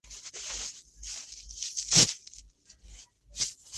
Tiene un hermano mayor llamado Francisco.